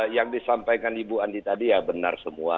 yang disampaikan ibu andi tadi ya benar semua